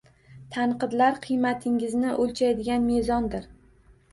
Tanqidlar qiymatingizni o‘lchaydigan mezondir.